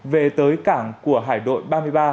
về tới cảng của hải đội ba mươi ba